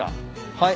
はい。